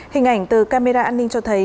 hình ảnh từ camera an ninh cho thấy